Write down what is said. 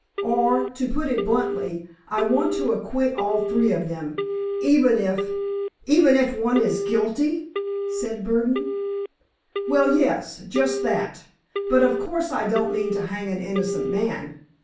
Or to put it bluntly, I want to acquit all three of them—even if——" "Even if one of them is guilty?" said Burdon. "Well, yes—just that. But, of course I don't mean to hang an innocent man!